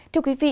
thưa quý vị